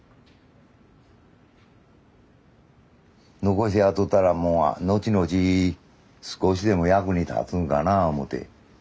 残してやっとったらもう後々少しでも役に立つんかな思て。